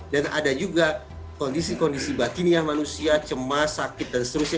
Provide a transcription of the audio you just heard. dan ada juga kondisi kondisi bakini yang manusia cemas sakit dan seterusnya